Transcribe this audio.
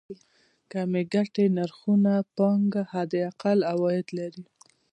کمې ګټې نرخونو پانګه حداقل عواید لري.